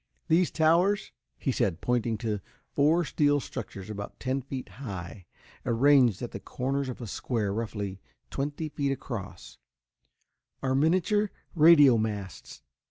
"These towers," he said, pointing to four steel structures about ten feet high, arranged at the corners of a square roughly twenty feet across, "are miniature radio masts.